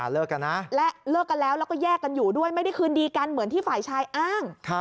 เลิกกันนะและเลิกกันแล้วแล้วก็แยกกันอยู่ด้วยไม่ได้คืนดีกันเหมือนที่ฝ่ายชายอ้าง